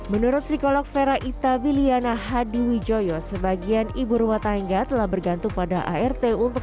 menurut psikolog fera ittawiliana hadiwijoyo sebagian ibu rumah tangga telah bergantung pada art untuk